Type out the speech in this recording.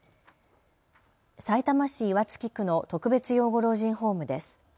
さいたま市岩槻区の特別養護老人ホームです。